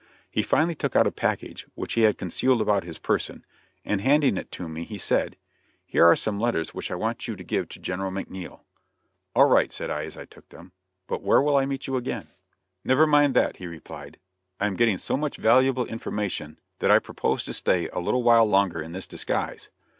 He finally took out a package, which he had concealed about his person, and handing it to me he said: "Here are some letters which I want you to give to General McNiel." "All right," said I as I took them, "but where will I meet you again?" "Never mind that," he replied; "I am getting so much valuable information that I propose to stay a little while longer in this disguise."